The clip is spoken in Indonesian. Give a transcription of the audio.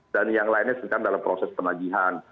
dan yang lainnya sedang dalam proses penagihan